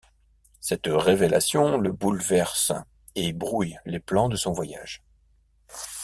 Cette révélation le bouleverse et brouille les plans de son voyage.